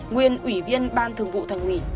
nguyên ủy viên ban thường vụ thành ủy